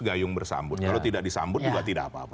gayung bersambut kalau tidak disambut juga tidak apa apa